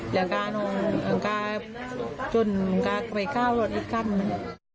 เดี๋ยวการงงจนการไปกล้าวรถอีกกัน